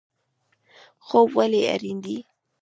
خوب ولې اړین دی؟